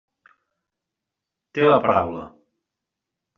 Té la paraula.